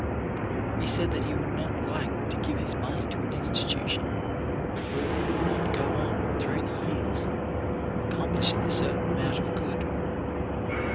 He said that he would not like to give his money to an institution where it would not go on through the years, accomplish ing a certain amount of good.